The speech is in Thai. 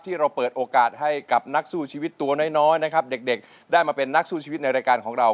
ที่เราเปิดโอกาสให้กับนักสู้ชีวิตตัวน้อยนะครับเด็กได้มาเป็นนักสู้ชีวิตในรายการของเรา